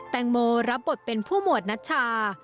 แตงโมรับบทเป็นผู้หมวดนัชชา